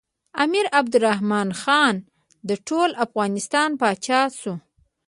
امیر عبدالرحمن خان د ټول افغانستان پاچا شو.